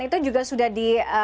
itu juga sudah di